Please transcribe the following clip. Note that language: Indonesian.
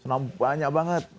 senam banyak banget